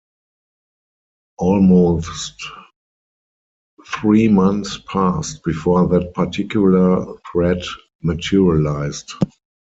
Almost three months passed before that particular threat materialized.